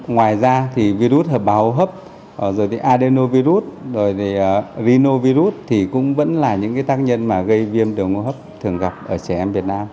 ngoài ra thì virus hợp bào hô hấp adenovirus rinovirus thì cũng vẫn là những tác nhân gây viêm đường hô hấp thường gặp ở trẻ em việt nam